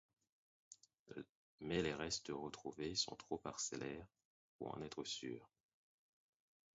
Mais les restes retrouvés sont trop parcellaires pour en être sûr.